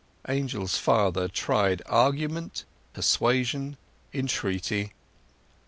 Angel's father tried argument, persuasion, entreaty.